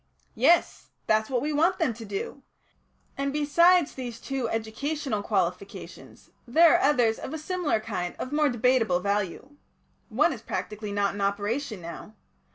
"Yes. That's what we want them to do. And, besides these two educational qualifications, there are two others of a similar kind of more debateable value. One is practically not in operation now.